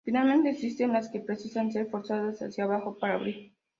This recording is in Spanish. Finalmente, existen las que precisan ser forzadas hacia abajo para abrir.